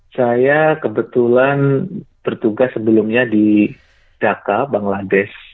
saya kebetulan bertugas sebelumnya di dhaka bangladesh